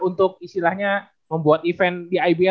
untuk istilahnya membuat event di ibl agak lebih apa ya